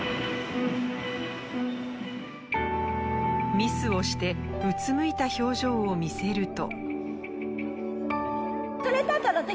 ミスをしてうつむいた表情を見せると。